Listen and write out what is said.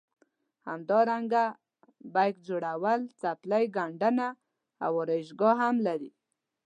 همدارنګه بیک جوړول څپلۍ ګنډنه او ارایشګاه هم لري.